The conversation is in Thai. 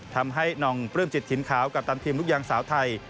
ทำให้นองปลื้มจิตถิ่นขาวกัปตันทีมลูกยางสาวไทย